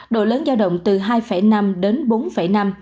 độ lớn giao động từ hai năm đến bốn năm